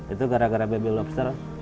itu gara gara baby lobster